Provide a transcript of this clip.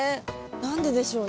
何ででしょうね？